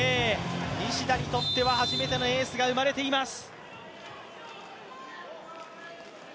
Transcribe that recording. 西田にとっては初めてのエースが生まれています。